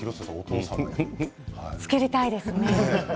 作りたいですね。